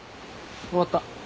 終わった。